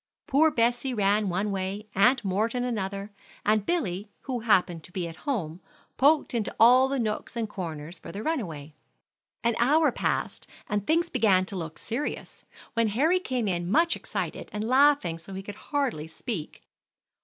Poor Bessie ran one way, Aunt Morton another, and Billy, who happened to be at home, poked into all the nooks and corners for the runaway. An hour passed, and things began to look serious, when Harry came in much excited, and laughing so he could hardly speak.